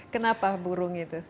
kenapa burung itu